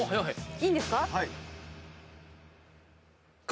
いいんですか？